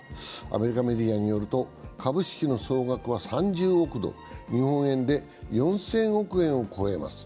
アメリカメディアによると株式の総額は３０億ドル、日本円で４０００億円を超えます。